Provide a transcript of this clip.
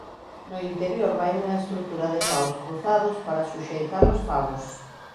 No interior vai unha estrutura de paus cruzados para suxeitar os favos.